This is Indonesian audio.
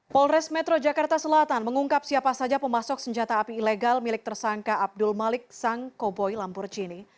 polres metro jakarta selatan mengungkap siapa saja pemasok senjata api ilegal milik tersangka abdul malik sang koboi lamborghini